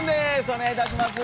お願いいたします。